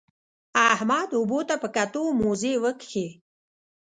احمد اوبو ته په کتو؛ موزې وکښې.